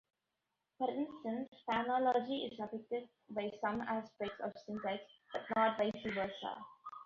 For instance, phonology is affected by some aspects of syntax, but not vice versa.